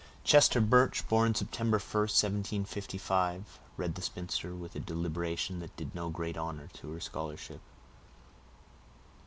"Chester Birch, born September 1st, 1755,"—read the spinster, with a deliberation that did no great honor to her scholarship.